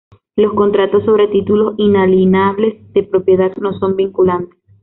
Los contratos sobre títulos inalienables de propiedad no son vinculantes.